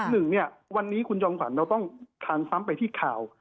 หนึ่งเนี่ยวันนี้คุณจอมขวัญเราต้องทานซ้ำไปที่ข่าว